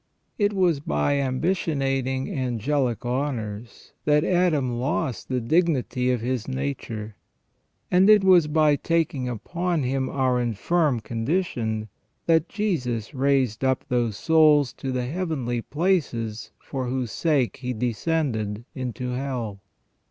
It was by ambi tionating angelic honours that Adam lost the dignity of his nature: THE REGENERATION OF MAN. 349 and it was by taking upon Him our infirm condition that Jesus raised up those souls to the heavenly places for whose sake He descended into hell.